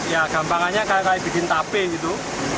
ya gampangannya kayak bikin tape gitu